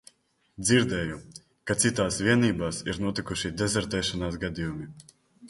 Dzirdēju, ka citās vienībās ir notikuši dezertēšanas gadījumi.